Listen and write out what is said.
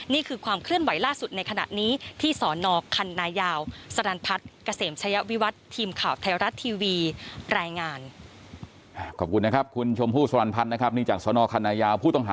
นี่คือความเคลื่อนไหวล่าสุดในขณะนี้ที่สอนอคัณะยาว